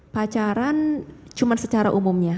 pacaran cuma secara umumnya